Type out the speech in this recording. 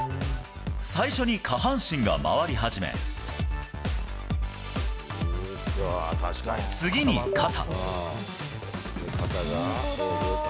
最初に下半身が回り始め、次に肩。